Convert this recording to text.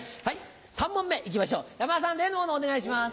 ３問目いきましょう山田さん例のものお願いします。